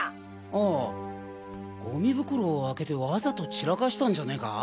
ああゴミ袋を開けてわざと散らかしたんじゃねか？